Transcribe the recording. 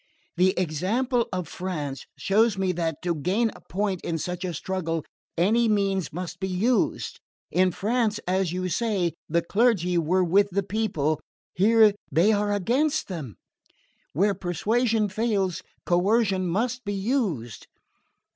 "The example of France shows me that, to gain a point in such a struggle, any means must be used! In France, as you say, the clergy were with the people here they are against them. Where persuasion fails coercion must be used!"